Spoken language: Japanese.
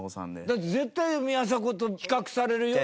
だって絶対宮迫と比較されるよ。